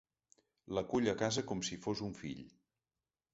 L'acull a casa com si fos un fill.